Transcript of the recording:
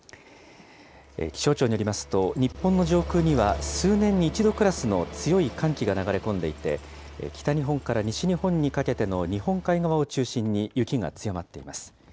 気象庁によりますと、日本の上空には数年に一度クラスの強い寒気が流れ込んでいて、北日本から西日本にかけての日本海側を中心に雪が強まっています。